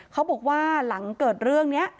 เขาบอกว่าหลังเกิดเรื่องนี้